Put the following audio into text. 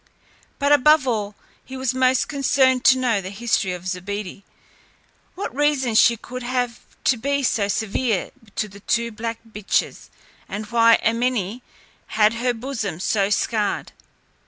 But above all, he was most concerned to know the history of Zobeide; what reason she could have to be so severe to the two black bitches, and why Amene had her bosom so scarred.